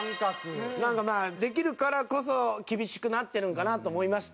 なんかまあできるからこそ厳しくなってるんかなと思いました。